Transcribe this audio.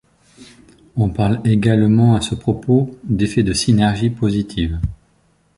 On parle également à ce propos d'effets de synergie positive.